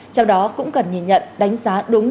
trong đó cũng cần nhìn nhận đánh giá đúng